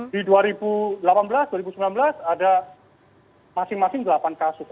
di dua ribu delapan belas dua ribu sembilan belas ada masing masing delapan kasus